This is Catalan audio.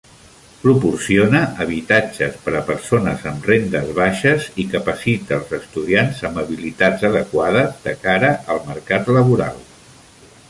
Proporciona habitatges per a persones amb rendes baixes i capacita els estudiants amb habilitats adequades de cara al mercat laboral.